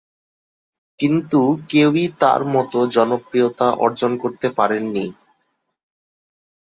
কিন্তু কেউই তার মত জনপ্রিয়তা অর্জন করতে পারেননি।